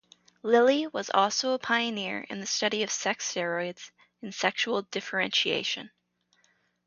Lillie was also a pioneer in the study of sex steroids in sexual differentiation.